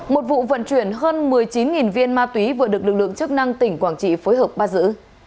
một vụ vận chuyển hơn một mươi chín viên ma túy vừa được lực lượng chức năng tỉnh quảng trị phối hợp bắt giữ